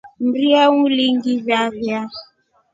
Mria ulingivavia.